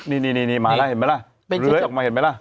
นี่มาแล้วเห็นไหมล่ะเลื้อยออกมาเห็นไหมล่ะ